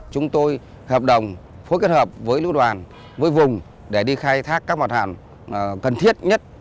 chúng tôi hợp đồng phối kết hợp với lưu đoàn với vùng để đi khai thác các mặt hạn cần thiết nhất